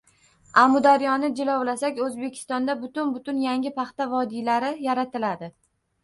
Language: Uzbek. Amudaryoni jilovlasak, oʻzbekistonda butun-butun yangi paxta vodiylari yaratiladi